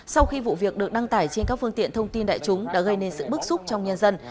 sau khi vụ việc được đăng tải trên các phương tiện thông tin đại chúng đã gây nên sự bức xúc trong nhân dân